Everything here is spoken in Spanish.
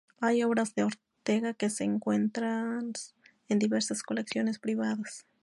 Hay obras de Ortega que se encuentras en diversas colecciones privadas.